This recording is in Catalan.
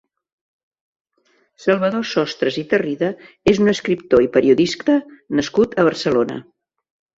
Salvador Sostres i Tarrida és un escriptor i periodista nascut a Barcelona.